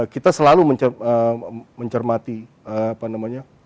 kita selalu mencermati apa namanya